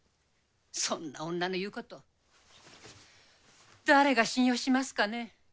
そんな女の言うことを誰が信用しますかね。